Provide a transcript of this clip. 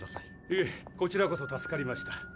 いえこちらこそ助かりました。